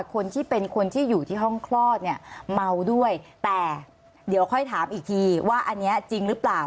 คนที่เป็นคนที่อยู่ที่ห้องคลอดเนี่ยเมาด้วยแต่เดี๋ยวค่อยถามอีกทีว่าอันนี้จริงหรือเปล่า